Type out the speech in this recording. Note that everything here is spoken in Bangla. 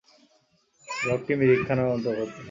ব্লকটি মিরিক থানার অন্তর্গত।